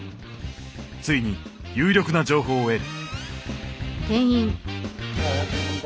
ついに有力な情報を得る。